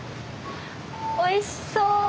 おいしそう。